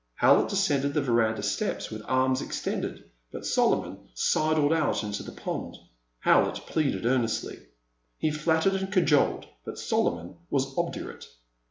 Howlett descended the veranda steps with arms extended, but Solomon sidled out into the pond. Howlett pleaded earnestly. He flattered and cajoled, but Solomon was obdurate.